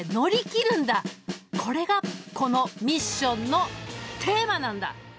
これがこのミッションのテーマなんだ。